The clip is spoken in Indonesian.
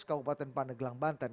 kabupaten pandegelang banten